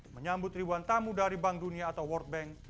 menyambut ribuan tamu dari bank dunia atau world bank